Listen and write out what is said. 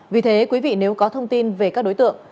vì thế quý vị nếu có thông tin về các đối tượng